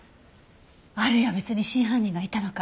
あるいは別に真犯人がいたのか？